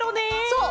そう！